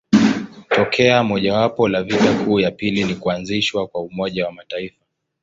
Tokeo mojawapo la vita kuu ya pili ni kuanzishwa kwa Umoja wa Mataifa.